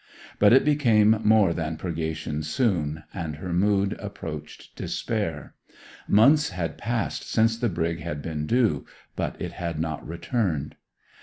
But it became more than purgation soon, and her mood approached despair. Months had passed since the brig had been due, but it had not returned.